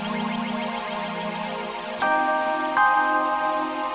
ya tapi itu sudah kena kamu